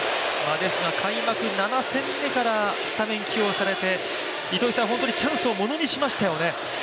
ですが開幕７戦目からスタメン起用されて本当にチャンスをものにしましたよね。